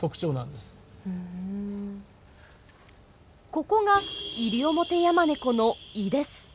ここがイリオモテヤマネコの胃です。